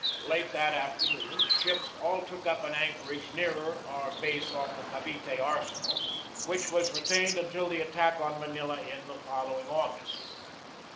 Late that afternoon the ships all took up an anchor age nearer our base off the Cavite arsenal, which was retained until the attack on Manila in the following August.